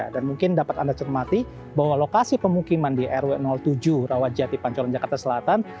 mungkin dapat anda cermati bahwa lokasi pemukiman di rw tujuh rawajati pancoran jakarta selatan